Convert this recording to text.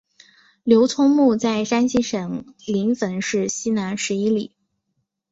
刘聪墓在山西省临汾市西南十一里。